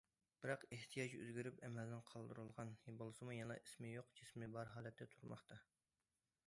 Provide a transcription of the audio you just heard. بىراق ئېھتىياج ئۆزگىرىپ ئەمەلدىن قالدۇرۇلغان بولسىمۇ يەنىلا ئىسمى يوق جىسمى بار ھالەتتە تۇرماقتا.